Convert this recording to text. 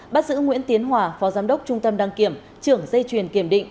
bắt giữ nguyễn tiến hòa phó giám đốc trung tâm đăng kiểm trưởng dây truyền kiểm định